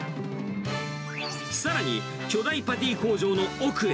さらに、巨大パティ工場の奥へ。